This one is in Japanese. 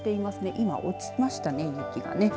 今、落ちましたね雪がね。